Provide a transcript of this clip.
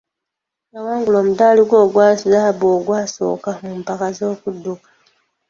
Yawangula omudaali gwe ogwa zzaabu ogwasooka mu mpaka z'okudduka.